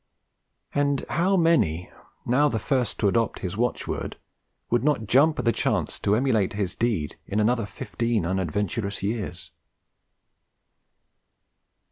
And how many, now the first to adopt his watchword, would not jump at the chance to emulate his deed in another fifteen unadventurous years!